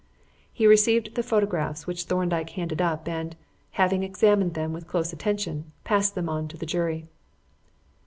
He received the photographs which Thorndyke handed up and, having examined them with close attention, passed them on to the jury.